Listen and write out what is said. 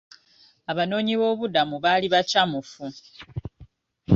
Abanoonyi b'obubudamu baali bakyamufu.